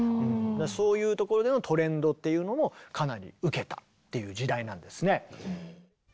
そういうところでのトレンドっていうのもかなり受けたっていう時代なんですね。